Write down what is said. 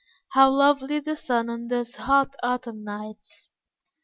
How lovely the sun on those hot, autumn nights!